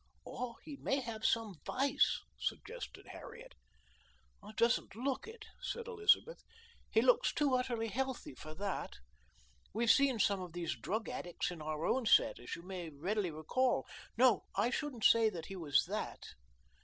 "Or he may have some vice," suggested Harriet. "He doesn't look it," said Elizabeth. "He looks too utterly healthy for that. We've seen some of these drug addicts in our own set, as you may readily recall. No, I shouldn't say that he was that."